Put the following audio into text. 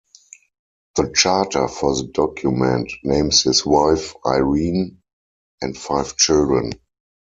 The charter for the document names his wife Irene and five children.